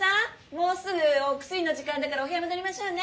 もうすぐお薬の時間だからお部屋戻りましょうね。